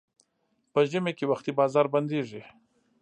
په ژمي کې وختي بازار بندېږي.